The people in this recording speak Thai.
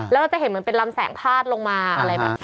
แล้วเราจะเห็นเหมือนเป็นลำแสงพาดลงมาอะไรแบบนี้